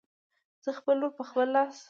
زه خپله لور په خپل لاس